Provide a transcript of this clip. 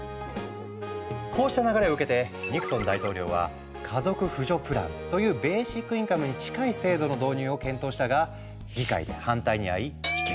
こうした流れを受けてニクソン大統領は「家族扶助プラン」というベーシックインカムに近い制度の導入を検討したが議会で反対にあい否決。